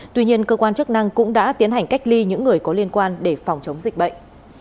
tuy nhiên cơ quan chức năng cũng đã tiến hành cách ly những người có liên quan để phòng chống dịch bệnh